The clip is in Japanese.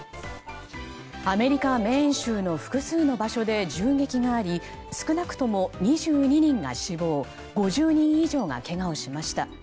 アメリカ・メーン州の複数の場所で銃撃があり少なくとも２２人が死亡５０人以上が、けがをしました。